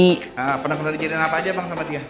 ah pernah kebencian apa aja bang sama dia